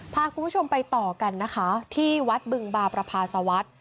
พาคุณผู้ชมไปต่อกันนะคะที่วัดบึงบาประพาสวัสดิ์